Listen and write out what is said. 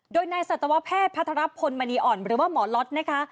โดยนายสัตวแพทย์พัทรพลมณีอ่อนหรือว่าหมอล็อตนะคะ